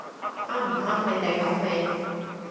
啱唔啱你哋口味